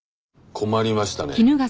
困りましたね。